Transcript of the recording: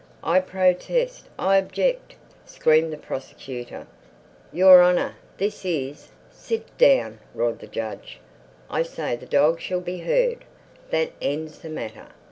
"I protest, I object!" screamed the Prosecutor. "Your Honor, this is—" "Sit down!" roared the judge. "I say the dog shall be heard. That ends the matter.